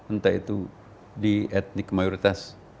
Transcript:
entah itu di etnik mayoritas